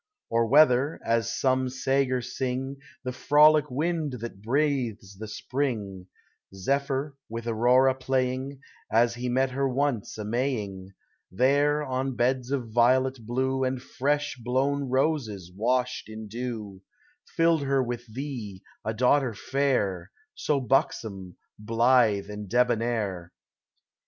Or whether (as some sager sing) The frolic wind that breathes the spring, Zephyr, with Aurora playing, — As he met her once a Maying, — There, on beds of violets blue And fresh blown roses washed in dew, Filled her with thee, a daughter fair, So buxom, blithe, and debonair.